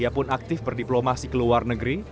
ia pun aktif berdiplomasi ke luar negeri